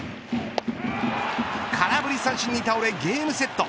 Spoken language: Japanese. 空振り三振に倒れゲームセット。